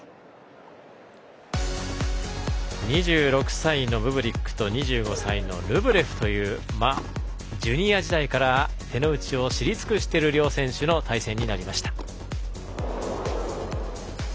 ２６歳のブブリックと２５歳のルブレフというジュニア時代から手の内を知り尽くしている両選手の対戦になりました。